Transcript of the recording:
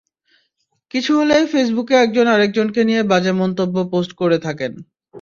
কিছু হলেই ফেসবুকে একজন আরেকজনকে নিয়ে বাজে মন্তব্য পোস্ট করে থাকেন।